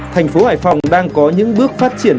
thành phố hải phòng đang có những bước phát triển